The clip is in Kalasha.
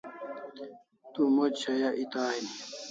Du moch shaya eta aini